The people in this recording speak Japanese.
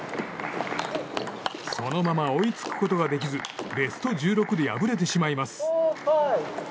そのまま追いつくことができずベスト１６で敗れてしまいます。